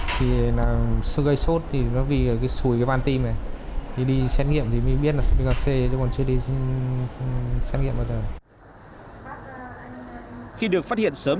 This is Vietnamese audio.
khi được phát hiện sớm như bây giờ